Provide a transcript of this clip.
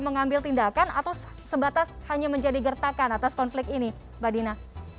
mengambil tindakan atau sebatas hanya menjadi gertakan atas konflik ini mbak dina